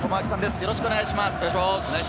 よろしくお願いします。